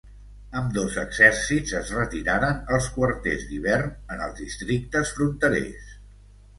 Ambdós exèrcits es retiraren als quarters d'hivern en els districtes fronterers.